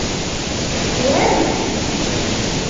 — Пуэныт?